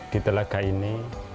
di telaga ini